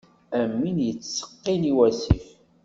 Am win yettseqqin i wasif.